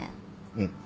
うん。